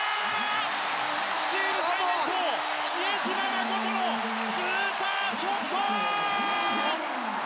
チーム最年長比江島慎のスーパーショット！